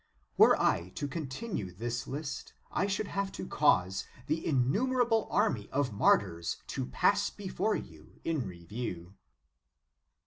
"{ Were I to continue this list, I should have to cause the innumerable army of martyrs to pass before you in review.